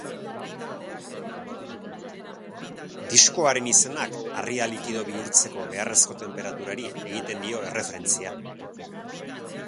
Diskoaren izenak harria likido bihurtzeko beharrezko tenperaturari egiten dio erreferentzia.